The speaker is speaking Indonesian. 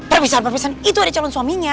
perpisahan perpisahan itu ada calon suaminya